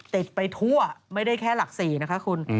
ติดไปทั่วไม่ได้แค่หลัก๔นะคะคุณ